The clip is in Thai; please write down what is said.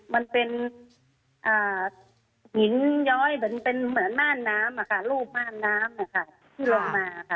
มันเป็นหินย้อยเหมือนม่านน้ำรูปม่านน้ำที่เรามา